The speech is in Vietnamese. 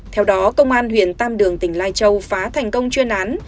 theo đó công an huyện tam đường tỉnh lai châu phá thành công chuyên án